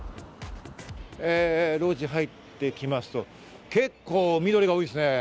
路地に入って来ますと結構、緑が多いですね。